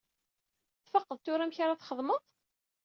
Tfaqeḍ tura amek ad txedmeḍ?